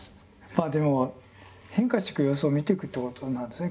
まあでも変化していく様子を見ていくっていうことなんですね。